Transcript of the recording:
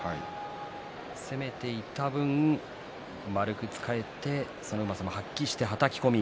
攻めていた分、円く使えてそのうまさを発揮してはたき込み。